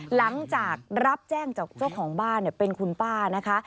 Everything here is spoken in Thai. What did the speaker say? หลังจากรับแจ้งจากเจ้าของบ้านเป็นคุณป้านะคะ